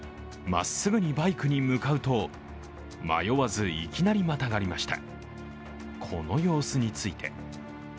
まっすぐにバイクに向かうと、迷わずいきなりまたがりました。